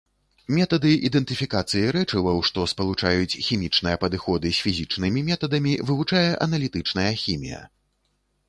Метады ідэнтыфікацыі рэчываў, што спалучаюць хімічныя падыходы з фізічнымі метадамі, вывучае аналітычная хімія.